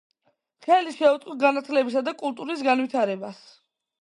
ხელი შეუწყო განათლებისა და კულტურის განვითარებას.